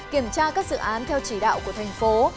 kiểm tra các dự án theo chỉ đạo của thành phố